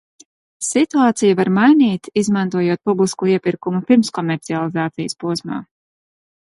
Situāciju var mainīt, izmantojot publisko iepirkumu pirmskomercializācijas posmā.